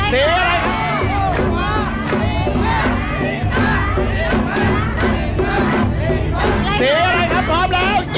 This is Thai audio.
สีอะไรครับ